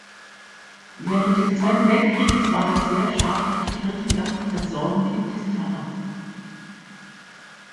Während des Zweiten Weltkrieges war das sehr schadhafte Kirchendach das Sorgenkind des Pfarrers.